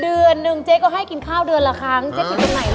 เดือนหนึ่งเจ๊ก็ให้กินข้าวเดือนละครั้งเจ๊ติดตรงไหนล่ะ